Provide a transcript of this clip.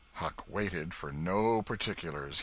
Huck waited for no particulars.